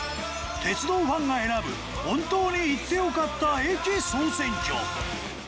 『鉄道ファンが選ぶ本当に行ってよかった駅総選挙』。